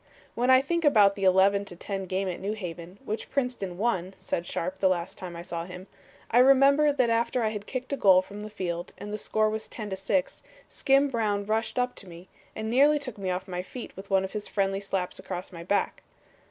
"When I think about the 11 to 10 game at New Haven, which Princeton won," said Sharpe the last time I saw him, "I remember that after I had kicked a goal from the field and the score was 10 to 6, Skim Brown rushed up to me, and nearly took me off my feet with one of his friendly slaps across my back.